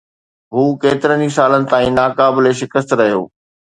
هو ڪيترن ئي سالن تائين ناقابل شڪست رهيو.